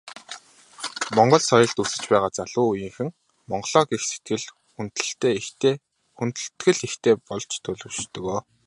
Монгол соёлд өсөж байгаа залуу үеийнхэн Монголоо гэх сэтгэл, хүндэтгэл ихтэй болж төлөвшдөг.